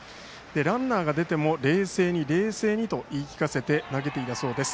ランナーが出ても冷静に冷静にと言い聞かせて投げていたそうです。